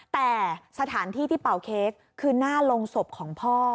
แต่สถานที่ที่เป่าเค้กคือหน้าโรงศพของพ่อ